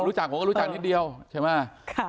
รู้จักผมก็รู้จักนิดเดียวใช่ไหม